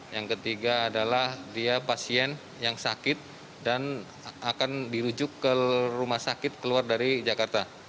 yang ketiga adalah dia pasien yang sakit dan akan dirujuk ke rumah sakit keluar dari jakarta